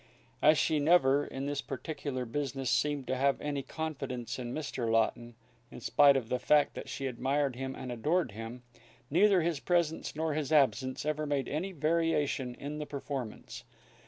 As she never, in this particular business, seemed to have any confidence in Mr. Laughton, in spite of the fact that she admired him and adored him, neither his presence nor his absence ever made any variation in the performance.